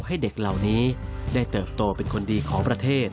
ให้เด็กเหล่านี้ได้เติบโตเป็นคนดีของประเทศ